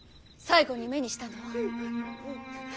最後に目にしたのは？